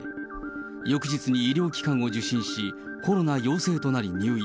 翌日に医療機関を受診し、コロナ陽性となり入院。